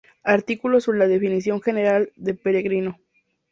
Artículo sobre la definición general de peregrino.